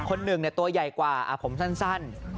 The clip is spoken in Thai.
คนหนึ่งตัวใหญ่กว่าผมสั้น